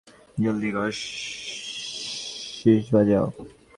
জলদি কর্গ, শিস বাজাও।